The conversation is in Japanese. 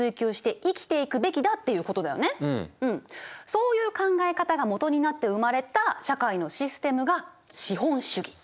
そういう考え方が基になって生まれた社会のシステムが資本主義。